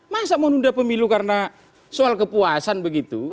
masa mau nunda pemilu karena soal kepuasan begitu